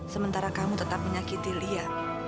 sementara kamu tetap menyakiti lia